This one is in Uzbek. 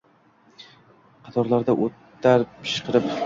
Qatorlarda oʼtar pishqirib.